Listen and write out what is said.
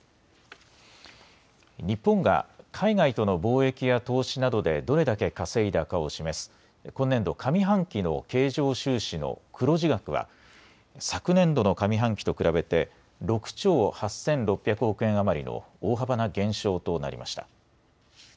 日本が海外との貿易や投資などでどれだけ稼いだかを示す今年度上半期の経常収支の黒字額は昨年度の上半期と比べて６兆８６００億円余りの大幅な減少となりました。